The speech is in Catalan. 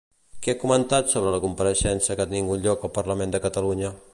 Què ha comentat sobre la compareixença que ha tingut lloc al Parlament de Catalunya?